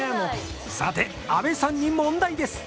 さて阿部さんに問題です